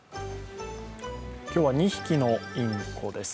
今日は２匹のインコです。